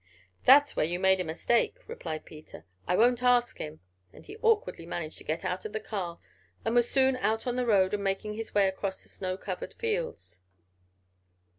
"That's where you made a mistake," replied Peter. "I won't ask him," and he awkwardly managed to get out of the car, and was soon out on the road and making his way across the snow covered fields.